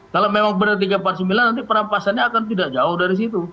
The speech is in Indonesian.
kalau memang benar tiga ratus empat puluh sembilan nanti perampasannya akan tidak jauh dari situ